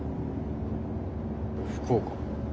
福岡。